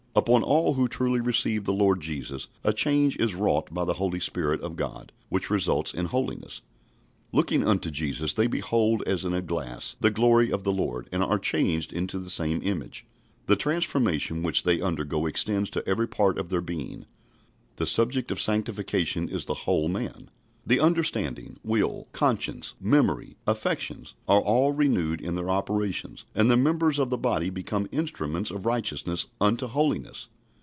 Upon all who truly receive the Lord Jesus a change is wrought by the Holy Spirit of God, which results in holiness. Looking unto Jesus, they behold as in a glass the glory of the Lord, and are changed into the same image. The transformation which they undergo extends to every part of their being. The subject of sanctification is the whole man. The understanding, will, conscience, memory, affections are all renewed in their operations, and the members of the body become instruments of righteousness unto holiness.